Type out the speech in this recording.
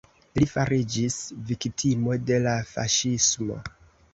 Li fariĝis viktimo de la faŝismo.